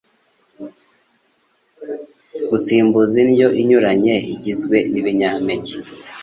kuzisimbuza indyo inyuranye igizwe n’ibinyampeke,